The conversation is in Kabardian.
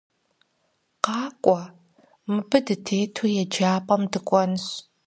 Къакӏуэ, мыбы дытету еджапӏэм дыкӏуэнщ!